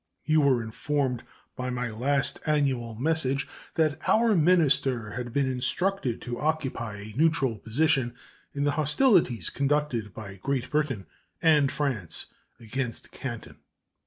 You were informed by my last annual message that our minister had been instructed to occupy a neutral position in the hostilities conducted by Great Britain and France against Canton.